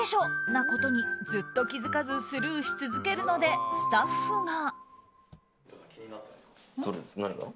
なことにずっと気づかずスルーし続けるのでスタッフが。